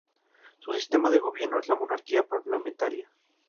Su sistema de gobierno es la monarquía parlamentaria.